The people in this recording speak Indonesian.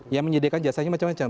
yang menyediakan jasanya macam macam